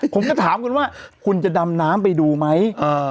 ผมก็ถามคุณว่าคุณจะดำน้ำไปดูไหม